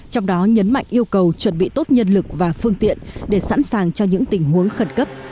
trong đó nhấn mạnh yêu cầu chuẩn bị tốt nhân lực và phương tiện để sẵn sàng cho những tình huống khẩn cấp